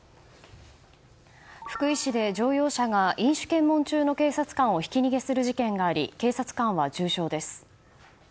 福井市で乗用車が飲酒検問中の警察官をひき逃げする事件があり警察官は重傷です。